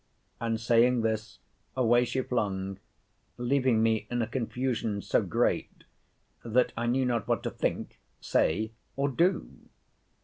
And saying this, away she flung, leaving me in a confusion so great, that I knew not what to think, say, or do!